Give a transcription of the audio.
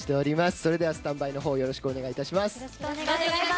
それではスタンバイよろしくお願いします。